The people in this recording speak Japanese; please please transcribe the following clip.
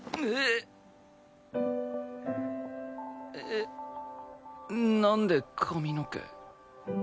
えっなんで髪の毛。